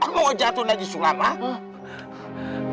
mau jatuh lagi sulap ha